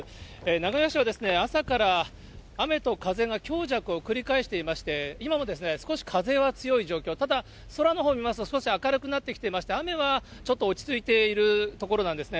名古屋市は朝から雨と風が強弱を繰り返していまして、今も少し風は強い状況、ただ、空のほうを見ますと、少し明るくなってきてまして、雨はちょっと落ち着いているところなんですね。